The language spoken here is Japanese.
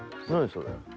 それ。